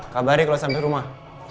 kabar ya kalau sampai rumah